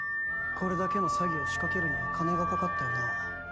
これだけの詐欺を仕掛けるには金がかかったよな？